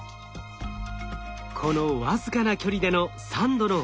この僅かな距離での３℃の温度差。